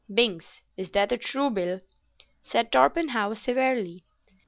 "Binks, is that a true bill?" said Torpenhow, severely.